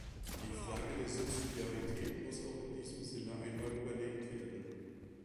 Die Frage der Subsidiarität muss auch in diesem Sinne einmal überlegt werden.